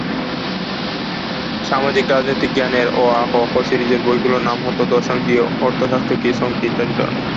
সামাজিক-রাজনৈতিক জ্ঞানের অ-আ-ক-খ সিরিজের বইগুলোর নাম হতো "দর্শন কী", "অর্থশাস্ত্র কী", "শ্রম কী" ইত্যাদি ধরনের।